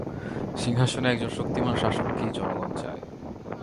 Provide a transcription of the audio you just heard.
সিংহাসনে একজন শক্তিমান শাসককেই জনগণ চায়।